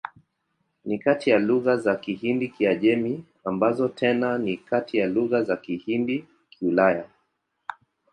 Ni kati ya lugha za Kihindi-Kiajemi, ambazo tena ni kati ya lugha za Kihindi-Kiulaya.